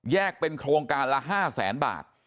แยกเป็นโครงการละห้าแสนบาท